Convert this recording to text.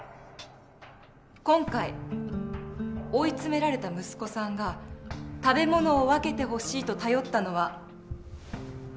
今回追い詰められた息子さんが食べ物を分けてほしいと頼ったのはアリだけでしたね。